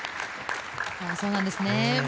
そうなんですね。